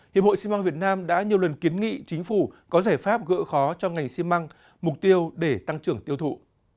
hiệp hội xi măng việt nam đã nhiều lần kiến nghị chính phủ có giải pháp gỡ khó cho ngành xi măng mục tiêu để tăng trưởng tiêu thụ